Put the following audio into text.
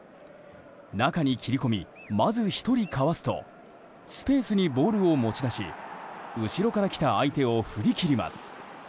中に切り込みまず１人をかわすとスペースにボールを持ち出し後ろから来た相手を振り切ります。